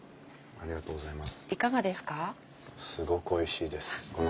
ありがとうございます。